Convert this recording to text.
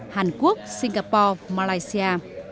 hàn quốc singapore malaysia